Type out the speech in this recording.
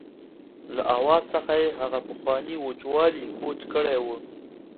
له آواز څخه یې هغه پخوانی وچوالی کوچ کړی و.